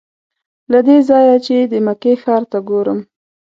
له دې ځایه چې د مکې ښار ته ګورم.